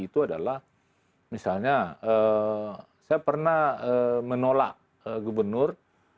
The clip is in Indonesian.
itu adalah misalnya saya pernah menolak gubernur